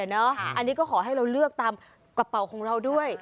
อันนี้ก็ขอให้เราเลือกตามกระเป๋าของเราด้วย